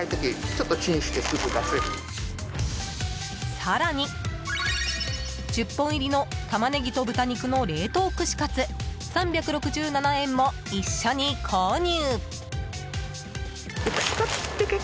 更に、１０本入りのタマネギと豚肉の冷凍串カツ３６７円も一緒に購入。